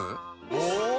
お！